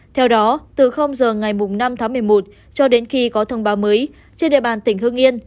theo đó từ giờ ngày năm tháng một mươi một cho đến khi có thông báo mới trên địa bàn tỉnh hương yên